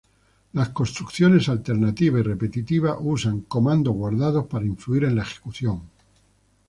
Las construcciones alternativa y repetitiva usan "comandos guardados" para influir en la ejecución.